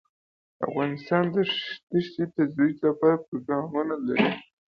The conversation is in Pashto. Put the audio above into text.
افغانستان د ښتې د ترویج لپاره پروګرامونه لري.